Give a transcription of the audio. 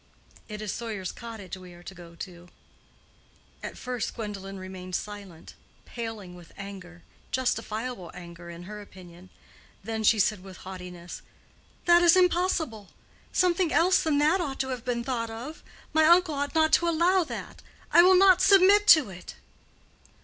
"It is Sawyer's Cottage we are to go to." At first, Gwendolen remained silent, paling with anger—justifiable anger, in her opinion. Then she said with haughtiness, "That is impossible. Something else than that ought to have been thought of. My uncle ought not to allow that. I will not submit to it."